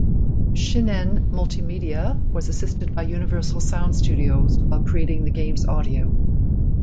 Shin'en Multimedia was assisted by Universal Sound Studios while creating the game's audio.